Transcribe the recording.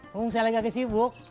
bukang saya lagi sibuk